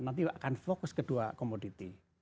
nanti akan fokus ke dua komoditi